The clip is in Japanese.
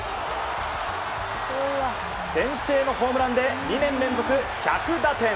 先制のホームランで２年連続１００打点。